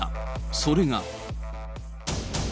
それが。